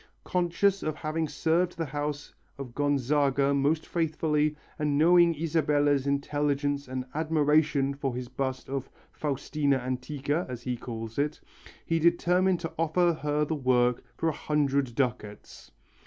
Conscious of having served the house of Gonzaga most faithfully and knowing Isabella's intelligence and admiration for his bust of "Faustina antica," as he calls it, he determined to offer her the work for a hundred ducats.